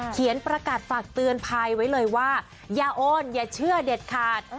ประกาศฝากเตือนภัยไว้เลยว่าอย่าโอนอย่าเชื่อเด็ดขาด